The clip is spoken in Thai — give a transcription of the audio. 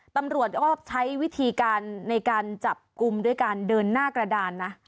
ตำรวจก็ใช้วิธีการในการจับกลุ่มด้วยการเดินหน้ากระดานนะ